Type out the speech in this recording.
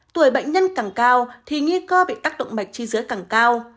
tuổi bệnh nhân càng cao thì nghi cơ bị tác động mạch chi dưới càng cao